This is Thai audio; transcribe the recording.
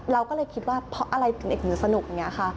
เราก็เลยคิดว่าเพราะอะไรเด็กจะสนุก